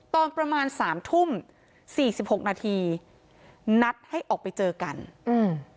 ตอนประมาณสามทุ่มสี่สิบหกนาทีนัดให้ออกไปเจอกันอืม